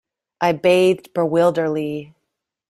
I bathed bewilderedly.